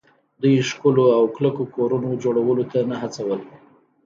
دوی ښکلو او کلکو کورونو جوړولو ته نه هڅول